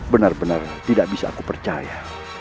benar benar tidak bisa aku percaya